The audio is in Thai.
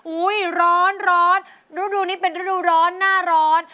ร้อนร้อนฤดูนี้เป็นฤดูร้อนหน้าร้อน